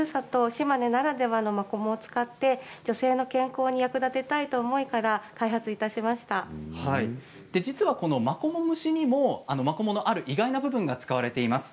島根ならではのマコモを使って女性の健康に役立てたいという実はマコモ蒸しにもマコモのある意外な部分が使われています。